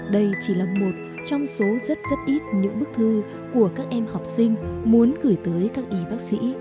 đây chỉ là một trong số rất rất ít những bức thư của các em học sinh muốn gửi tới các y bác sĩ